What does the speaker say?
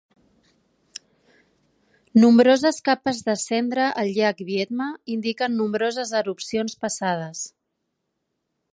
Nombroses capes de cendra al llac Viedma indiquen nombroses erupcions passades.